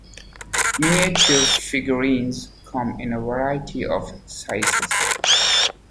Miniature figurines come in a variety of sizes.